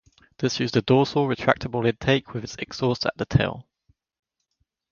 This used a dorsal, retractable intake with its exhaust at the tail.